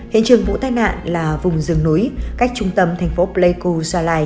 hiện trường vụ tai nạn là vùng rừng núi cách trung tâm thành phố pleiku gia lai